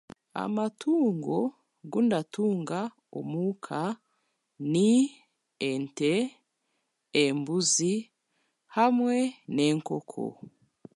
Amatungo agundatunga omuuka ni ente, embuzi, hamwe n'enkoko